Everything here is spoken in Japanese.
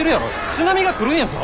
津波が来るんやぞ。